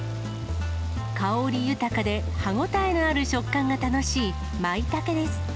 香り豊かで歯応えのある食感が楽しいまいたけです。